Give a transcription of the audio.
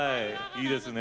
いいですね。